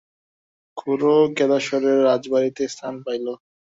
খুড়ো কেদারেশ্বর রাজবাড়িতে স্থান পাইল।